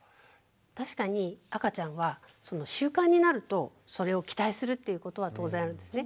確かに赤ちゃんは習慣になるとそれを期待するっていうことは当然あるんですね。